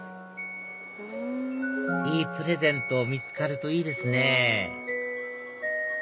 いいプレゼント見つかるといいですね